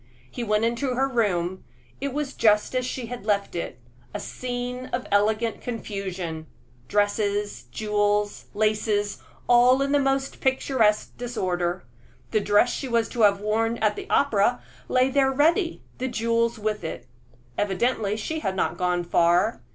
He went into her room; it was just as she had left it a scene of elegant confusion dresses, jewels, laces, all in the most picturesque disorder. The dress she was to have worn at the opera lay there ready, the jewels with it. Evidently she had not gone far.